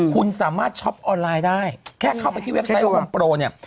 คุณสามารถช็อปออนไลน์ได้แค่เข้าไปที่เว็บไซต์ฮอมโปรเนี่ย